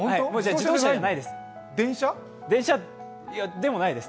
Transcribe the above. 自動車じゃないです。